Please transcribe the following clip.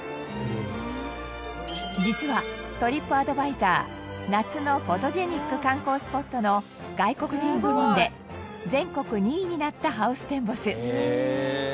実はトリップアドバイザー「夏のフォトジェニック観光スポット」の外国人部門で全国２位になったハウステンボス。